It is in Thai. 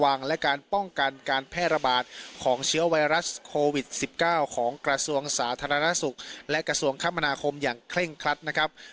การป้องกันการแพร่ระบาดของเชื้อไวรัสโควิด๑๙ของกระทรวงสาธารณสุขและกระทรวงคมนาคมอย่างเคร่งครัดนะครับ